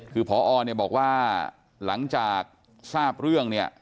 คือพอเนี่ยบอกว่าหลังจากทราบเรื่องเนี่ย